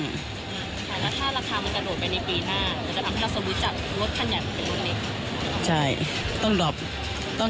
แล้วถ้าราคามันกระโดดไปในปีหน้าเราจะทำให้เรารู้จักรถคันใหญ่มันเป็นรถเล็ก